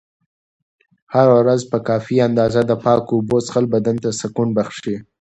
هره ورځ په کافي اندازه د پاکو اوبو څښل بدن ته سکون بښي.